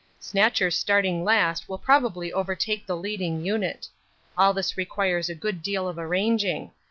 Snatcher starting last will probably overtake the leading unit. All this requires a good deal of arranging.